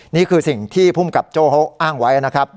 นี่คือสิ่งที่ภูมิกับโจ้เขาอ้างไว้นะครับ